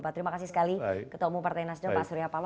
terima kasih sekali ketemu partai nasdem pak surya paloh